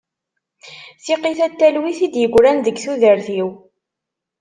Tiqqit-a n talwit i d-yegran deg tudert-iw.